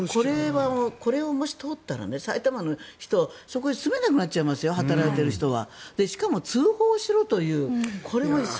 これがもし通ったら埼玉の人はそこに住めなくなっちゃいますよ働いている人は。